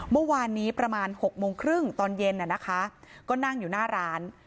เมื่อวานนี้ประมาณ๖โมงครึ่งตอนเย็นก็นั่งอยู่หน้าร้าน